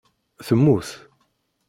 Temmut.